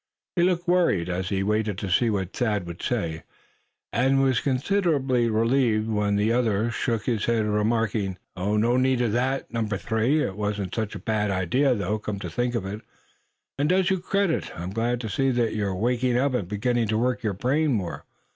He looked worried as he waited to see what Thad would say; and was considerably relieved when the other shook his head, remarking: "No need of that, Number Three. It wasn't such a bad idea though, come to think of it, and does you credit. I'm glad to see that you're waking up, and beginning to work your brain more.